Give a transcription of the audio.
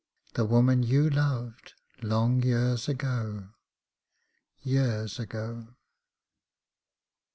The woman you loved, long years ago, Years ago.